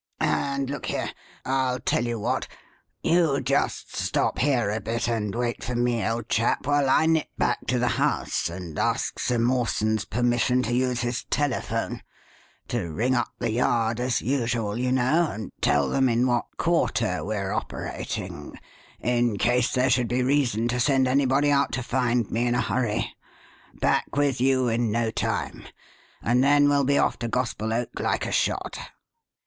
And look here I'll tell you what. You just stop here a bit and wait for me, old chap, while I nip back to the house and ask Sir Mawson's permission to use his telephone to ring up the Yard as usual, you know, and tell them in what quarter we're operating, in case there should be reason to send anybody out to find me in a hurry. Back with you in no time and then we'll be off to Gospel Oak like a shot."